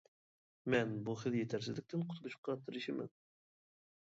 مەن بۇ خىل يېتەرسىزلىكتىن قۇتۇلۇشقا تىرىشىمەن.